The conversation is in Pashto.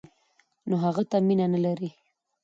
نو هغه ته مینه نه لري.